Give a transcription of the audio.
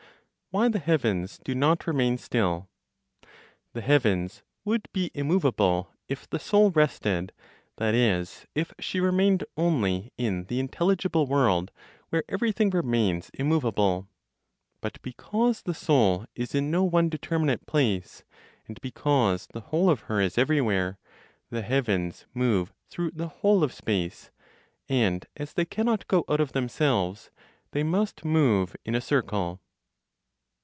WHY THE HEAVENS DO NOT REMAIN STILL. The heavens would be immovable if the Soul rested, that is, if she remained only in the intelligible world, where everything remains immovable. But because the Soul is in no one determinate place, and because the whole of her is everywhere, the heavens move through the whole of space; and as they cannot go out of themselves, they must move in a circle.